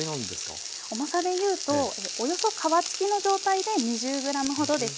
重さで言うとおよそ皮付きの状態で２０ｇほどです。